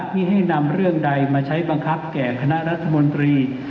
ที่ให้นำเรื่องใดมาใช้บังคับแก่คณะรัฐมนตรี